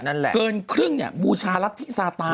นั่นแหละเกินครึ่งเนี่ยบูชารัฐธิสาตา